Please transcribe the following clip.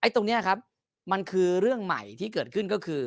ตรงนี้ครับมันคือเรื่องใหม่ที่เกิดขึ้นก็คือ